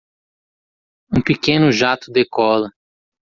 um pequeno jato decola.